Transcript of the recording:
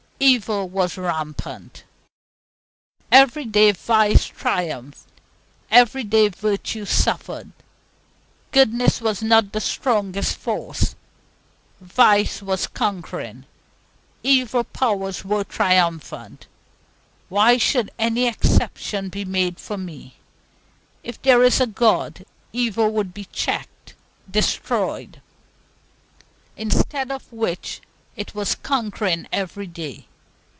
Evil was rampant. Every day vice triumphed, every day virtue suffered. Goodness was not the strongest force. Vice was conquering; evil powers were triumphant. Why should any exception be made for me? If there is a God, evil would be checked, destroyed; instead of which, it was conquering every day.